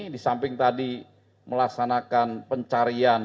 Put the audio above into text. di samping tadi melaksanakan pencarian